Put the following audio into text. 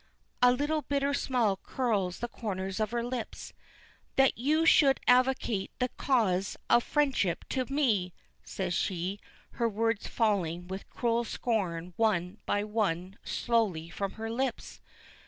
A little bitter smile curls the corners of her lips. "That you should advocate the cause of friendship to me," says she, her words falling with cruel scorn one by one slowly from her lips.